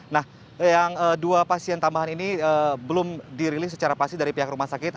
nah yang dua pasien tambahan ini belum dirilis secara pasti dari pihak rumah sakit